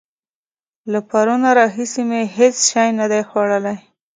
له پرونه راهسې مې هېڅ شی نه دي خوړلي.